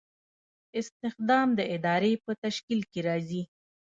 استخدام د ادارې په تشکیل کې راځي.